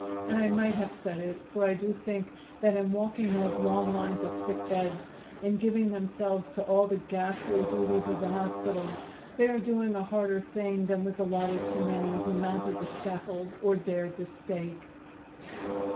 And I might have said it, for I do think that in walking those long lines of sick beds, in giving themselves to all the ghastly duties of the hospital, they are doing a harder thing than was allotted to many who mounted the scaffold or dared the stake."